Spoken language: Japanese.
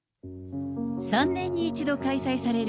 ３年に１度開催される